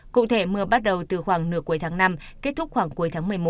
cụ thể mưa bắt đầu từ khoảng nửa cuối tháng năm kết thúc khoảng cuối tháng một mươi một